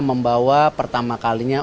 membawa pertama kalinya